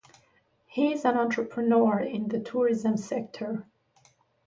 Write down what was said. He is an entrepreneur in the tourism sector.